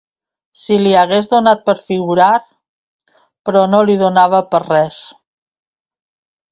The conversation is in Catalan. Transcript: Si li hagués donat per figurar... però no li donava per res